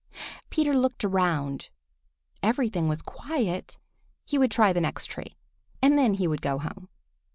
Peter looked around. Everything was quiet. He would try the next tree, and then he would go home.